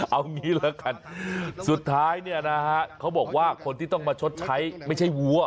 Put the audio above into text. เอางี้แล้วกันสุดท้ายเนี่ยนะฮะเขาบอกว่าคนที่ต้องมาชดใช้ไม่ใช่วัว